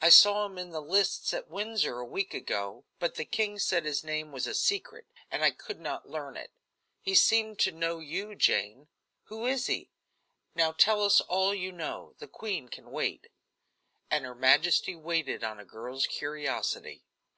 I saw him in the lists at Windsor a week ago, but the king said his name was a secret, and I could not learn it. He seemed to know you, Jane. Who is he? Now tell us all you know. The queen can wait." And her majesty waited on a girl's curiosity.